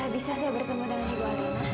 bisa saya bertemu dengan ibu wali